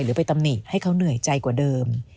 หรือไปตำหนิให้เขาเหนื่อยใจกว่าเดิม